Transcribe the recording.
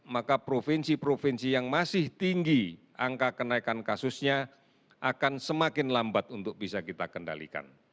maka provinsi provinsi yang masih tinggi angka kenaikan kasusnya akan semakin lambat untuk bisa kita kendalikan